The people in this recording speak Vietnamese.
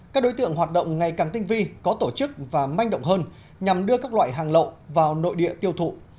các đối tượng hoạt động ngày càng tinh vi có tổ chức và manh động hơn nhằm đưa các loại hàng lậu vào nội địa tiêu thụ